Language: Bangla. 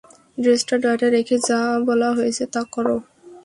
ড্রেসটা ড্রয়ারে রেখে যা বলা হয়েছে তা কর।